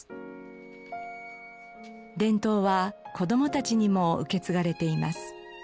伝統は子供たちにも受け継がれています。